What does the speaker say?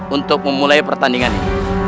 untuk memulai pertandingan ini